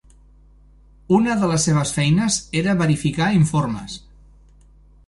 Una de les seves feines era verificar informes.